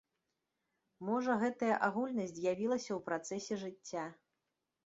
Можа гэтая агульнасць з'явілася ў працэсе жыцця.